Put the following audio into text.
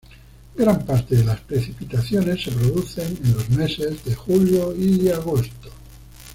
Gran parte de las precipitaciones se producen en los meses de julio y agosto.